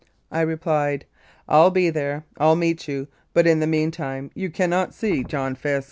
I replied, "I'll be there ! I'll meet you, but in the meantime you cannot see John Fisk."